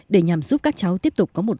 để nhằm giúp các cháu tiếp tục có một tương ứng